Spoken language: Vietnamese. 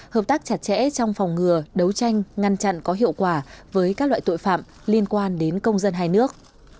hợp tác chặt chẽ trong phòng ngừa đấu tranh ngăn chặn có hiệu quả với các loại tội phạm liên quan đến công dân hai nước